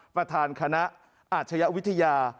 ประธานคณะอาชญวิทยา